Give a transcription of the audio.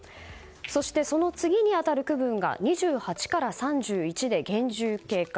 そして、その次に当たる区分が２８から３１で厳重警戒。